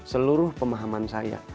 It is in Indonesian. seluruh pemahaman saya